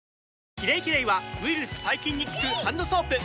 「キレイキレイ」はウイルス・細菌に効くハンドソープ！